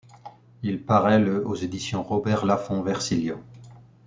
Il paraît le aux éditions Robert Laffont-Versilio.